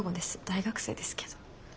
大学生ですけど。